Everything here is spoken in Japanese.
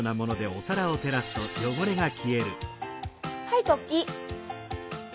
はいトッキー。